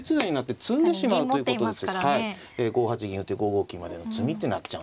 ５八銀打って５五金までの詰みってなっちゃうんですね。